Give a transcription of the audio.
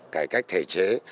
cải cách thể chế